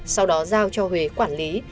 sau đó giao cho huế quản lý